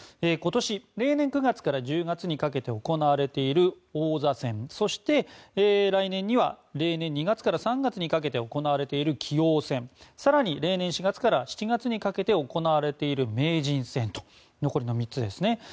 今年、例年９月から１０月にかけて行われている王座戦、来年には例年２月から３月にかけて行われている棋王戦更に例年４月から７月にかけて行われている名人戦と残りの３つですね。